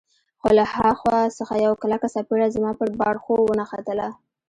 خو له ها خوا څخه یوه کلکه څپېړه زما پر باړخو ونښتله.